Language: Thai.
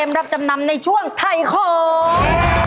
ที่ได้รับจำนำในช่วงไถ่ของ